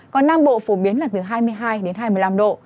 còn nam bộ phổ biến là từ hai mươi hai đến hai mươi năm độ